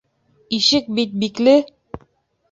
Ишек бит бикле!